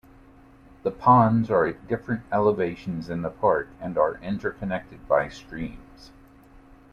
The ponds are at different elevations in the park, and are inter-connected by streams.